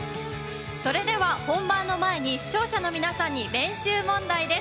それでは本番の前に視聴者の皆さんに練習問題です。